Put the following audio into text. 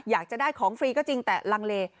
อยากจะได้ของฟรีก็จริงแต่ลังเล